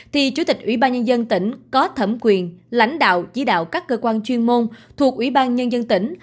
thì chủ tịch ubnd tỉnh có thẩm quyền lãnh đạo chỉ đạo các cơ quan chuyên môn thuộc ubnd tỉnh